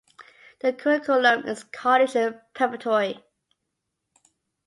The curriculum is college preparatory.